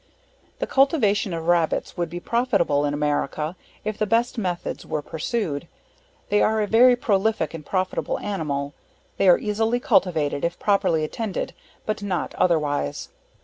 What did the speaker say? The cultivation of Rabbits would be profitable in America, if the best methods were pursued they are a very prolific and profitable animal they are easily cultivated if properly attended, but not otherwise.